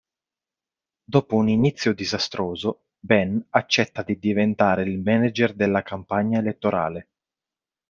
Dopo un inizio disastroso, Ben accetta di diventare il manager della campagna elettorale.